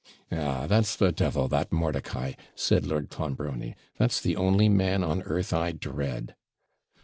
'Ah! that's the devil, that Mordicai,' said Lord Clonbrony; 'that's the only man an earth I dread.'